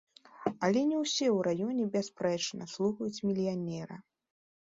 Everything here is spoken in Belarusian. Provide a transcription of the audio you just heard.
Але не ўсе ў раёне бясспрэчна слухаюцца мільянера.